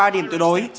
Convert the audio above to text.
giành ba điểm tuyệt đối